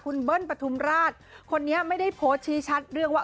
คุณเบิ้ลปฐุมราชคนนี้ไม่ได้โพสต์ชี้ชัดเรื่องว่า